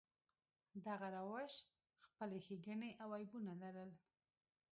دغه روش خپلې ښېګڼې او عیبونه لرل.